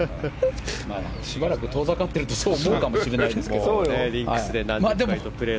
しばらく遠ざかってるとそう思うかもしれないですけど。